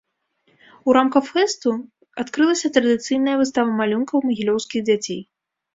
У рамках фэсту адкрылася традыцыйная выстава малюнкаў магілёўскіх дзяцей.